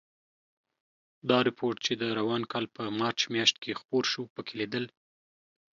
دا رپوټ چې د روان کال په مارچ میاشت کې خپور شو، پکې لیدل